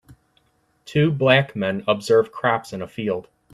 Two black men observe crops in a field.